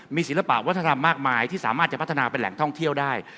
มีศิลปะวัฒนธรรมมากมายที่สามารถจะพัฒนาเป็นแหล่งท่องเที่ยวได้